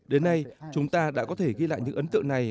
đến nay chúng ta đã có thể ghi lại những ấn tượng này